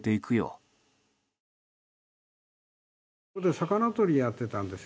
魚とりをやってたんですよ。